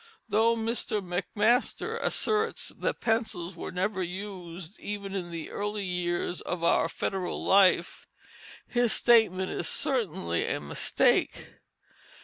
Though Mr. MacMaster asserts that pencils were never used even in the early years of our Federal life, his statement is certainly a mistake.